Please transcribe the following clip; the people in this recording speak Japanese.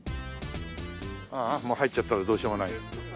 ああもう入っちゃったらどうしようもないよ。